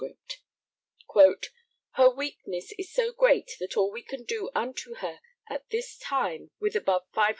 Her weakness is so great that all we can do unto her at this time with above 500_l.